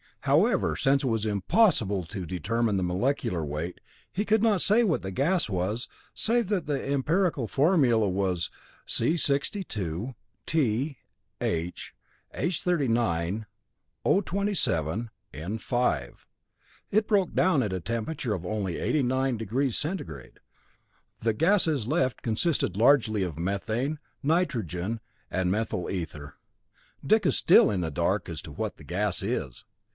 However, since it was impossible to determine the molecular weight, he could not say what the gas was, save that the empirical formula was C_TH H_O_N_. It broke down at a temperature of only 89° centigrade. The gases left consisted largely of methane, nitrogen, and methyl ether. Dick is still in the dark as to what the gas is."